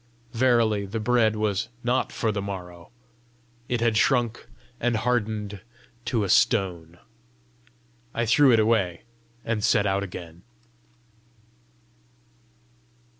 Verily the bread was not for the morrow: it had shrunk and hardened to a stone! I threw it away, and set out again.